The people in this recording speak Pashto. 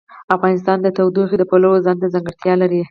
افغانستان د تودوخه د پلوه ځانته ځانګړتیا لري.